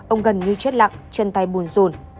ông gần như chết lặng chân tay buồn rùn